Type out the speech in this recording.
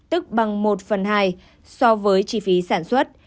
tức bằng một phần hai so với chi phí sản xuất